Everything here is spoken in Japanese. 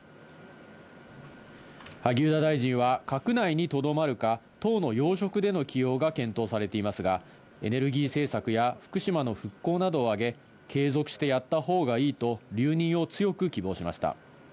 萩生田大臣は閣内にとどまるか、党の要職での起用が検討されていますが、エネルギー政策や、福島の復興などを挙げ、継続してやったほうがいいと留任を強く希望しました。